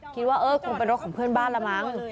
คิดว่าเออคงเป็นรถของเพื่อนบ้านละมั้ง